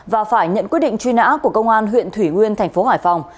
và phải nhận quyết định truy nã của công an huyện thủy nguyên tp hải phòng